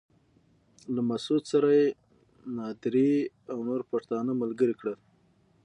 له مسعود سره يې نادري او نور پښتانه ملګري کړل.